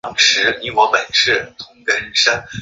其后湖州郡丞汪泰亨所建。